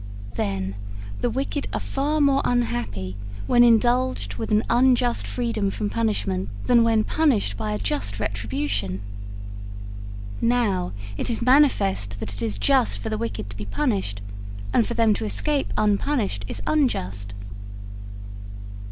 'Then, the wicked are far more unhappy when indulged with an unjust freedom from punishment than when punished by a just retribution. Now, it is manifest that it is just for the wicked to be punished, and for them to escape unpunished is unjust.'